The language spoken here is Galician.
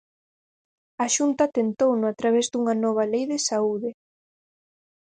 A Xunta tentouno a través dunha nova Lei de saúde.